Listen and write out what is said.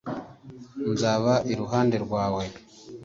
nzaba iruhande rwawe